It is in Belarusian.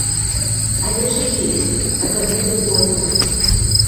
Але ж ідзіце, а то будзе позна!